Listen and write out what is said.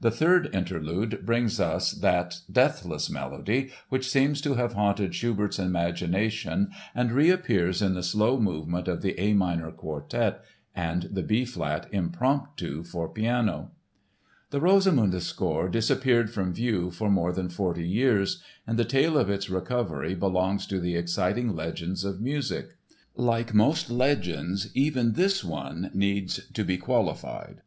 The third interlude brings us that deathless melody which seems to have haunted Schubert's imagination and reappears in the slow movement of the A minor Quartet and the B flat Impromptu for piano. The Rosamunde score disappeared from view for more than forty years and the tale of its recovery belongs to the exciting legends of music. Like most legends even this one needs to be qualified.